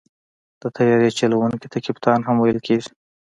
د طیارې چلوونکي ته کپتان هم ویل کېږي.